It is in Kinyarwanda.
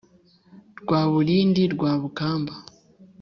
Rwaburindi, Rwabukamba,